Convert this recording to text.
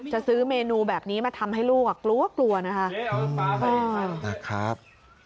จะซื้อเมนูแบบนี้มาทำให้ลูกกลัวกลัวนะคะ